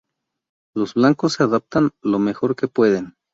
Los blancos se adaptan lo mejor que pueden.